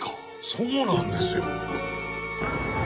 そうなんですよ。